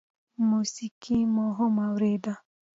موسيقي مو هم اورېده.